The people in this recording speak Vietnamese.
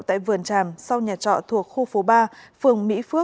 tại vườn tràm sau nhà trọ thuộc khu phố ba phường mỹ phước